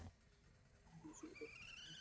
যদি সেগুলো অনুসরণ করেন তবে ভেঙ্গে দেওয়া হবে।